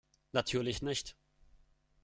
Natürlich nicht.